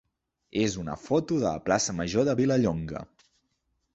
és una foto de la plaça major de Vilallonga.